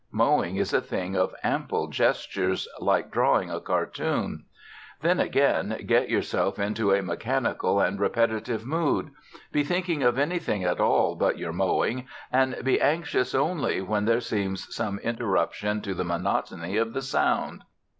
Mowing is a thing of ample gestures, like drawing a cartoon. Then, again, get yourself into a mechanical and repetitive mood: be thinking of anything at all but your mowing, and be anxious only when there seems some interruption to the monotony of the sound.